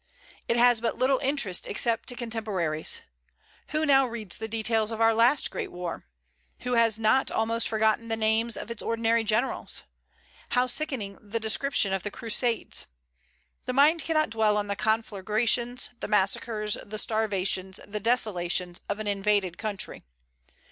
It has but little interest except to contemporaries. Who now reads the details of our last great war? Who has not almost forgotten the names of its ordinary generals? How sickening the description of the Crusades! The mind cannot dwell on the conflagrations, the massacres, the starvations, the desolations, of an invaded country.